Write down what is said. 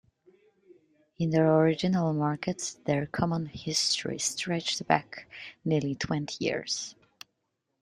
In their original markets, their common history stretched back nearly twenty years.